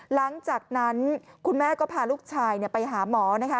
หลังจากนั้นคุณแม่ก็พาลูกชายไปหาหมอนะคะ